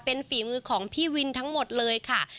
เป็นฝีมือของพี่วินทั้งหมดเลยค่ะ